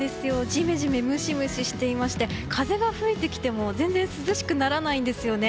ジメジメムシムシしていまして風が吹いてきても全然涼しくならないんですよね。